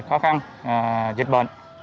khó khăn dịch bệnh